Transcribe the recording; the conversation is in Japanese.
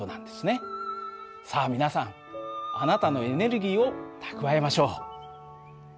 さあ皆さんあなたのエネルギーを蓄えましょう。